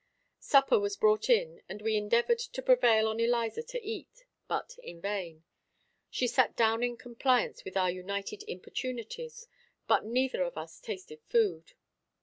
Supper was brought in, and we endeavored to prevail on Eliza to eat, but in vain. She sat down in compliance with our united importunities; but neither of us tasted food.